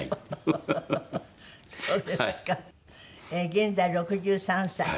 現在６３歳。